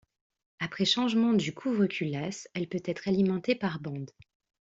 Après changement du couvre-culasse, elle peut être alimentée par bandes.